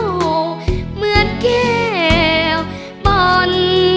เหมือนแก้วปน